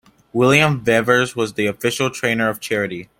William Vevers was the official trainer of Charity.